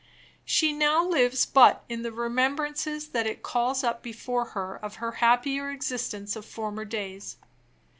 She now lives but in the remembrances that it calls up before her of her happier existence of former days.